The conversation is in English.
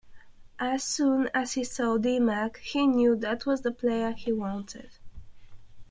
As soon as he saw D-Mac, he knew that was the player he wanted.